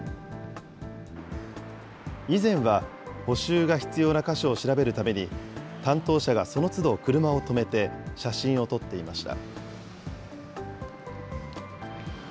以前は補修が必要な箇所を調べるために担当者がその都度車を止めて、写真を撮っていました。